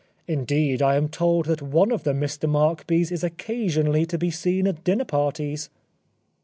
Indeed, I am told that one of the Mr Markbys is occasionally to be seen at dinner parties."